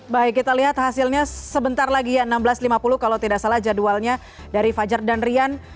baik kita lihat hasilnya sebentar lagi ya enam belas lima puluh kalau tidak salah jadwalnya dari fajar dan rian